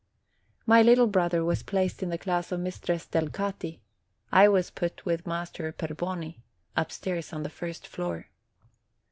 My little brother was placed in the class of Mistress Delcati: I was put with Master Perboni, upstairs on the first floor.